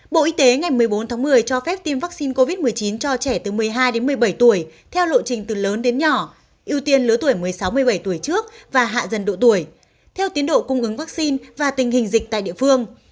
bộ y tế ngày một mươi bốn tháng một mươi cho phép tiêm vaccine covid một mươi chín cho trẻ từ một mươi hai đến một mươi bảy tuổi theo lộ trình từ lớn đến nhỏ ưu tiên lứa tuổi một mươi sáu một mươi bảy tuổi trước và hạ dần độ tuổi theo tiến độ cung ứng vaccine và tình hình dịch tại địa phương